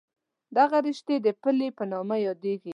دغه رشتې د پلې په نامه یادېږي.